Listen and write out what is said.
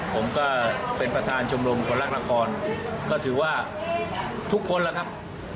ผมก็เป็นประธานชมรมคนรักละครก็ถือว่าทุกคนล่ะครับ